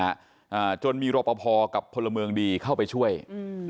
อ่าจนมีรอปภกับพลเมืองดีเข้าไปช่วยอืม